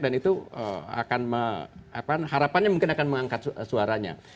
dan itu harapannya mungkin akan mengangkat suaranya